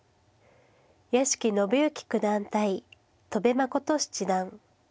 屋敷伸之九段対戸辺誠七段。